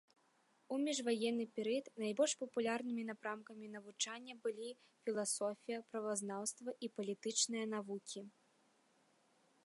У міжваенны перыяд найбольш папулярнымі напрамкамі навучання былі філасофія, правазнаўства і палітычныя навукі.